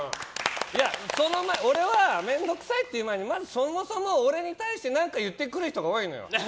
俺は面倒くさいっていう前にそもそも俺に対して何か言ってくる人が多いのよ。